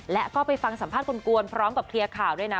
และก็ไปฟังสัมภาษณ์กลวนพร้อมกับเคลียร์ข่าวด้วยนะ